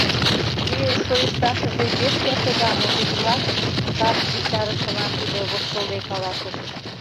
— Те шойышташыже пеш кертыда, мужик-влак, - сап виктарышылан тудо воштылде каласыш.